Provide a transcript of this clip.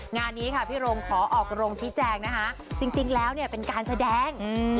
งานนี้ค่ะพี่ลงขอออกรงที่แจงนะฮะจริงจริงแล้วเนี่ยเป็นการแสดงอืม